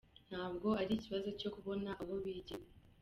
Ntabwo ari ikibazo cyo kubona aho bigira ".